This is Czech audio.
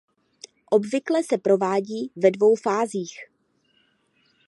Obvykle se provádí ve dvou fázích.